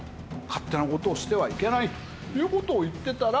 勝手な事をしてはいけないという事を言ってたら。